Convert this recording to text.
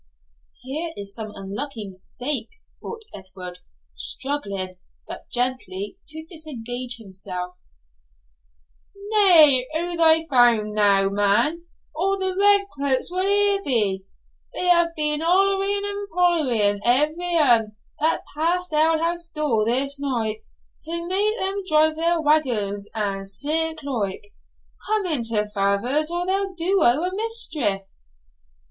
'Here is some unlucky mistake,' thought Edward, struggling, but gently, to disengage himself. 'Naen o' thy foun, now, man, or the red cwoats will hear thee; they hae been houlerying and poulerying every ane that past alehouse door this noight to make them drive their waggons and sick loike. Come into feyther's, or they'll do ho a mischief.'